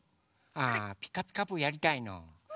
あ「ピカピカブ！」やりたいの？